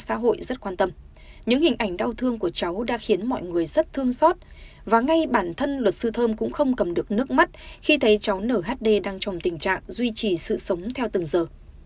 xã hội rất quan tâm những hình ảnh đau thương của cháu đã khiến mọi người rất thương xót và ngay bản thân luật sư thơm cũng không cầm được nước mắt khi thấy cháu nhd đang trong tình trạng duy trì sự sống theo từng giờ